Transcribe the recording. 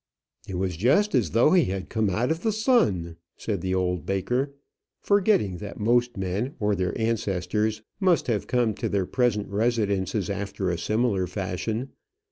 "It was just as though he had come out of the sun," said the old baker, forgetting that most men, or their ancestors, must have come to their present residences after a similar fashion.